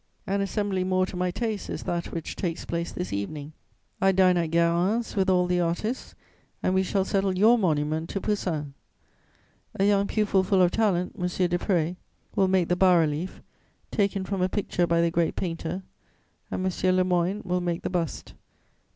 An assembly more to my taste is that which takes place this evening: I dine at Guérin's with all the artists and we shall settle your monument to Poussin. A young pupil full of talent, M. Desprez, will make the bas relief, taken from a picture by the great painter, and M. Lemoyne will make the bust.